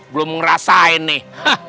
belum ngerasain nih